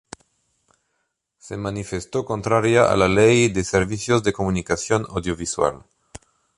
Se manifestó contraria a la Ley de Servicios de Comunicación Audiovisual.